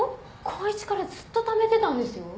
高１からずっとためてたんですよ？